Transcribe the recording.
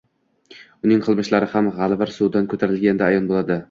Uning qilmishlari ham g`alvir suvdan ko`tarilganda ayon bo`ldi